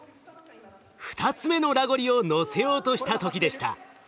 ２つ目のラゴリをのせようとした時でした。